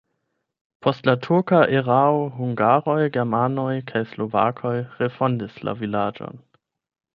Post la turka erao hungaroj, germanoj kaj slovakoj refondis la vilaĝon.